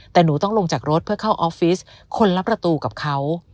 แต่หนูต้องลงจากรถเพื่อเข้าออฟฟิศคนละประตูกับเขา